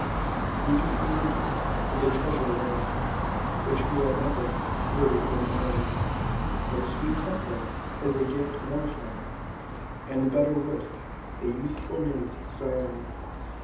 Beauty in woman is a treasure rare Which we are never weary of admiring; But a sweet temper is a gift more fair And better worth the youthful maid's desiring.